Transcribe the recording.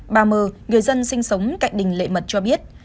bà mờ người dân sinh sống cạnh đình lệ mật cho biết